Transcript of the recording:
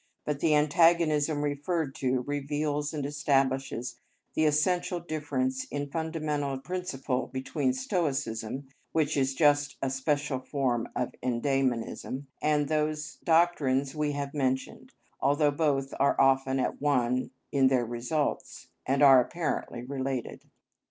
But the antagonism referred to reveals and establishes the essential difference in fundamental principle between Stoicism, which is just a special form of endæmonism, and those doctrines we have mentioned, although both are often at one in their results, and are apparently related.